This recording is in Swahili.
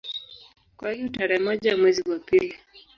Kwa hiyo tarehe moja mwezi wa pili